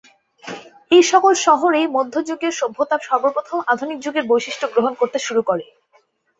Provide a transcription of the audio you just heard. এই সকল শহরেই মধ্যযুগীয় সভ্যতা সর্বপ্রথম আধুনিক যুগের বৈশিষ্ট্য গ্রহণ করতে শুরু করে।